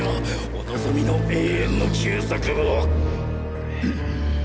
お望みの永遠の休息を！